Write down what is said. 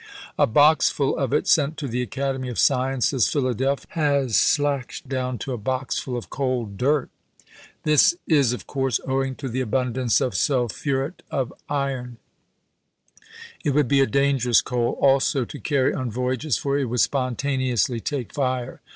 "A boxful of it, sent to the Academy of Sciences, Philadelphia, has slacked down to a boxful of coal du't. This is, of course, owing to the abundance of sulphuret of iron. It would be a dangerous coal also to carry on voyages, for it would spontaneously take fire.